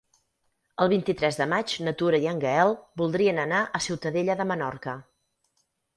El vint-i-tres de maig na Tura i en Gaël voldrien anar a Ciutadella de Menorca.